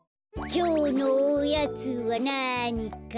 きょうのおやつはなにかな？